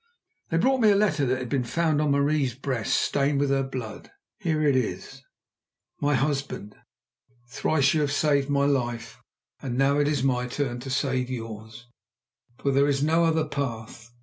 They brought me a letter that had been found on Marie's breast, stained with her blood. Here it is: "MY HUSBAND, "Thrice have you saved my life, and now it is my turn to save yours, for there is no other path.